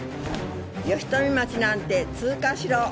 吉富町なんて通過しろ。